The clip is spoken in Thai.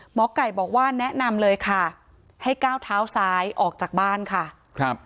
หมอไก่บอกว่าแนะนำเลยค่ะให้ก้าวเท้าซ้ายออกจากบ้านค่ะครับ